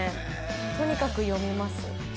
とにかく読みます。